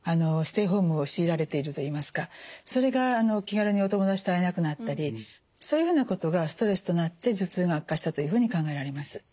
ステイホームを強いられているといいますかそれが気軽にお友達と会えなくなったりそういうふうなことがストレスとなって頭痛が悪化したというふうに考えられます。